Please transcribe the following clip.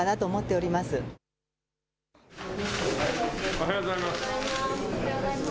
おはようございます。